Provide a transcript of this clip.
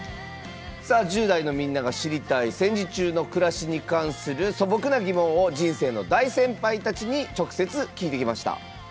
１０代のみんなが知りたい戦時中の暮らしに関する素朴な疑問を人生の大先輩たちに直接聞いてきました。